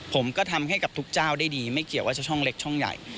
ผมก็ทำให้กับทุกเจ้าได้ดีไม่เกี่ยวว่าจะช่องเล็กช่องใหญ่